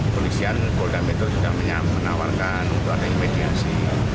kulisian polda metro sudah menawarkan untuk ada imediasi